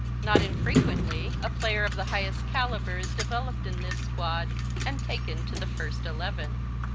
Not infrequently a player of the highest caliber is developed in this squad and taken to the first eleven.